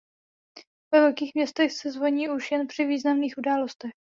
Ve velkých městech se zvoní už jen při významných událostech.